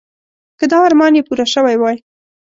که دا ارمان یې پوره شوی وای.